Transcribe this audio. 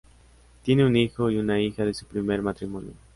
Tiene un hijo y una hija de su primer matrimonio.